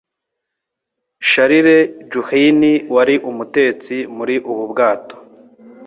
Charles Joughin, wari umutetsi muri ubu bwato